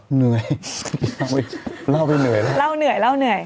เหนื่อยเล่าไปเหนื่อยแล้วเล่าเหนื่อยเล่าเหนื่อย